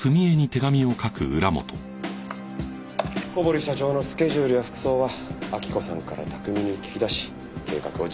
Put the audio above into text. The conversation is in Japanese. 小堀社長のスケジュールや服装は明子さんから巧みに聞き出し計画を実行に移した。